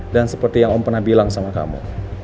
dan seperti yang om pernah bilang sama kamu